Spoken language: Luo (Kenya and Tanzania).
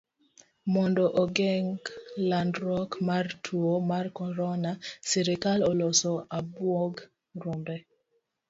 Mondo ogeng' landruok mar tuo mar corona, sirikal oloso abuog rombe.